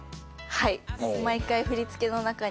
はい。